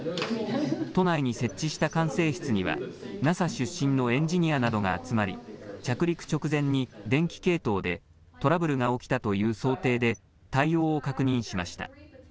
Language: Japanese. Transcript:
都内に設置した管制室には、ＮＡＳＡ出身のエンジニアなどが集まり、着陸直前に電気系統でトラブルが起きたという想定で対応を確認しました。